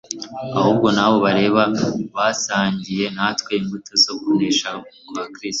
ahubwo na bo ruabareba. Basangiyc natwe imbuto zo kunesha kwa Kristo.